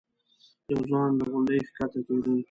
یو ځوان له غونډۍ ښکته کېده.